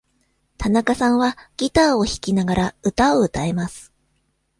田中さんはギターを弾きながら、歌を歌えます。